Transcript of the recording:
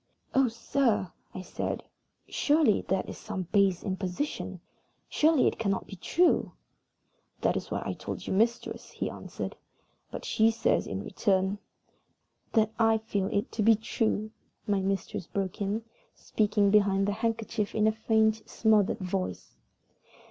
"Oh, sir," I said, "surely that is some base imposition? Surely it cannot be true?" "That is what I have told your mistress," he answered. "But she says in return " "That I feel it to be true," my mistress broke in, speaking behind the handkerchief in a faint, smothered voice.